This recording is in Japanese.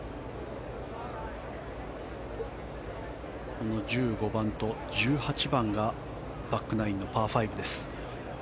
この１５番と１８番がバックナインのパー５です。